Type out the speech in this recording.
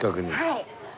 はい。